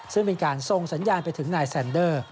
ซึ่งเป็นการส่งสัญญาณไปถึงนายแซนเดอร์